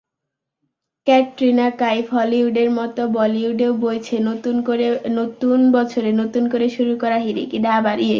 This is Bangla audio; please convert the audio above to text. ক্যাটরিনা কাইফহলিউডের মতো বলিউডেও বইছে নতুন বছরে নতুন করে শুরু করার হিড়িক।